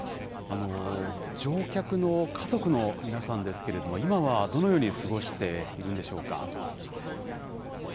乗客の家族の皆さんですけれども、今はどのように過ごしているんでしょうか。